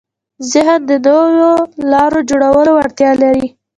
ذهن د نوو لارو جوړولو وړتیا لري.